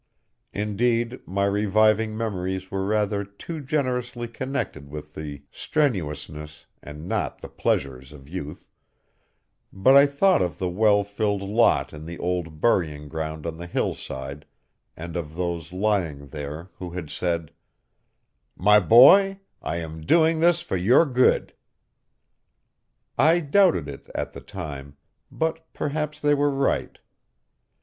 Indeed my reviving memories were rather too generously connected with the strenuousness and not the pleasures of youth, but I thought of the well filled lot in the old burying ground on the hillside, and of those lying there who had said: "My boy, I am doing this for your good." I doubted it at the time, but perhaps they were right.